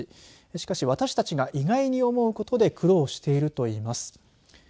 しかし私たちが意外に思うことで苦労しているといいます。